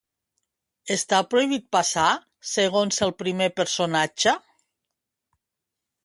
Està prohibit passar, segons el primer personatge?